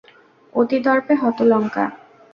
অতি দর্পে হতা লঙ্কা।